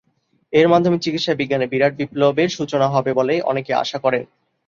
এর মাধ্যমে চিকিৎসাবিজ্ঞানে বিরাট বিপ্লবের সূচনা হবে বলে অনেকে আশা করেন।